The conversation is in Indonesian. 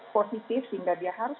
positif sehingga dia harus